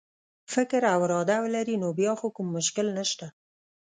فکر او اراده ولري نو بیا خو کوم مشکل نشته.